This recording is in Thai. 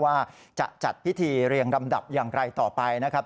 ว่าจะจัดพิธีเรียงลำดับอย่างไรต่อไปนะครับ